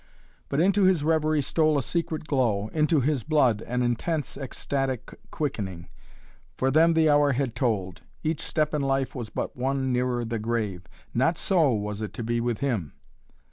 But into his reverie stole a secret glow, into his blood an intense, ecstatic quickening. For them the hour had tolled. Each step in life was but one nearer the grave. Not so was it to be with him.